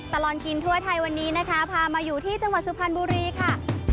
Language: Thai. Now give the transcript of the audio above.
ตลอดกินทั่วไทยวันนี้นะคะพามาอยู่ที่จังหวัดสุพรรณบุรีค่ะ